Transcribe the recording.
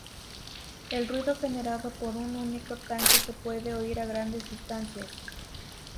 El ruido generado por un único tanque se puede oír a grandes distancias.